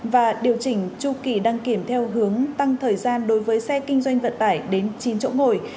và điều chỉnh chu kỳ đăng kiểm theo hướng tăng thời gian đối với xe kinh doanh vận tải đến chín chỗ ngồi